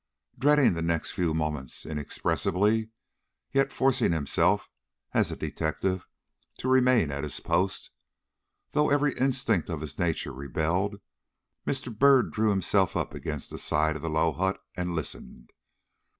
Dreading the next few moments inexpressibly, yet forcing himself, as a detective, to remain at his post, though every instinct of his nature rebelled, Mr. Byrd drew himself up against the side of the low hut and listened.